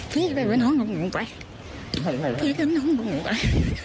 พี่เผ็ดบริษัทในห้องสิ้นหนูไป